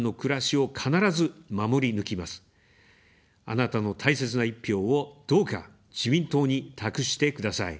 あなたの大切な一票を、どうか自民党に託してください。